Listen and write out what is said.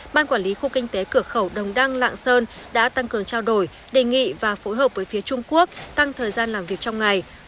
ban quản lý khu kinh tế cửa khẩu đồng đăng lạng sơn đã tăng cường trao đổi đề nghị và phối hợp với phía trung quốc tăng thời gian làm việc trong ngày